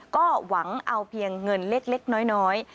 ก็หวังเอาเพียงเงินเล็กน้อย